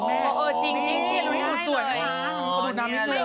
คุณค่ะเดี๋ยวเละเท่หมด